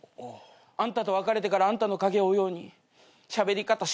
ああ。あんたと別れてからあんたの影を追うようにしゃべり方